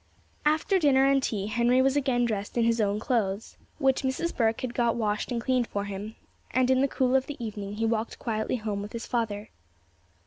After dinner and tea, Henry was again dressed in his own clothes, which Mrs. Burke had got washed and cleaned for him, and in the cool of the evening he walked quietly home with his father.